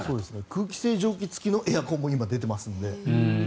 空気清浄機付きのエアコンも今、出ていますので。